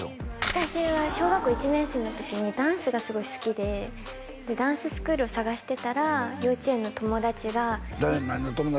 私は小学校１年生の時にダンスがすごい好きでダンススクールを探してたら幼稚園の友達が何の友達？